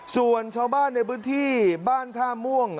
ส่วนชาวบ้านในพื้นที่บ้านท่าม่วง